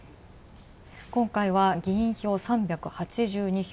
今回は議員票３８２票。